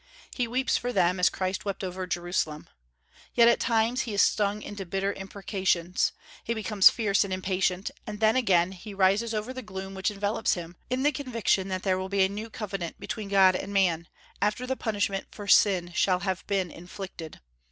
He weeps for them, as Christ wept over Jerusalem. Yet at times he is stung into bitter imprecations, he becomes fierce and impatient; and then again he rises over the gloom which envelops him, in the conviction that there will be a new covenant between God and man, after the punishment for sin shall have been inflicted.